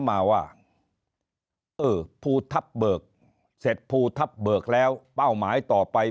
มาว่าเออภูทับเบิกเสร็จภูทับเบิกแล้วเป้าหมายต่อไป